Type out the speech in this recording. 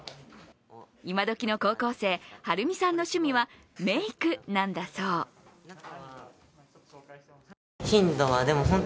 今どきの高校生、晴海さんの趣味はメイクなんだそうた。